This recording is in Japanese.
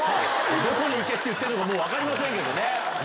どこに行けって言ってるのかもう分かりませんけどね。